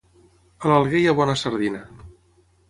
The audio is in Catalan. A l'Alguer hi ha bona sardina.